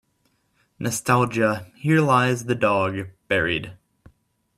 nostalgia Here lies the dog buried